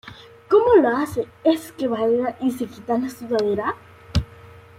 Cómo lo hace es que baila y se quita la sudadera.